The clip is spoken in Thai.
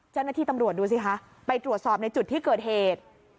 เจ้าหน้าที่ตำรวจดูสิคะไปตรวจสอบในจุดที่เกิดเหตุ